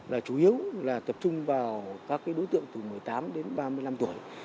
là chủ yếu là tập trung vào các đối tượng từ một mươi tám đến ba mươi năm tuổi